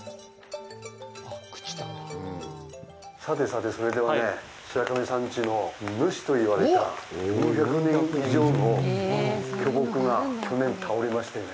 さてさて、それではね、白神山地の主と言われた４００年以上の巨木が去年倒れましてね。